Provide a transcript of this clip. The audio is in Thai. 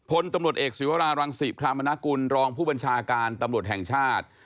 พลตำลดเอกสีวรารังสีบคามณกุลรองผู้บัญชาการตำลดแห่งชาติ